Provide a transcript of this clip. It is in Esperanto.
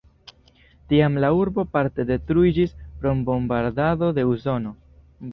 Tiam la urbo parte detruiĝis pro bombardado de Usono.